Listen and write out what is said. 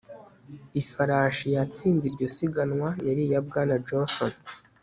Ifarashi yatsinze iryo siganwa yari iya Bwana Johnson